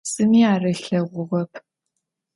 Zımi ar ılheğuğep.